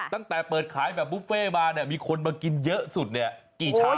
ตั้งแต่เปิดขายแบบบุฟเฟ่มาเนี่ยมีคนมากินเยอะสุดเนี่ยกี่ชาม